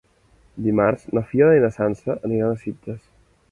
Dimarts na Fiona i na Sança aniran a Sitges.